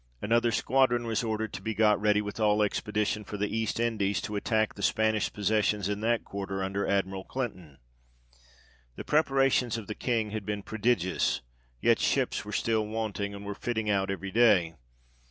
Another squadron was ordered to be got ready with all expedition for the East Indies, to attack the Spanish possessions in that quarter, under Admiral Clinton. The preparations of the King had been prodigious ; yet ships were still wanting, and were fitting out every day.